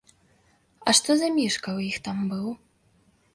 А што за мішка ў іх там быў?